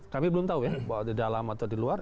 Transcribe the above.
kami belum tahu ya bahwa di dalam atau di luar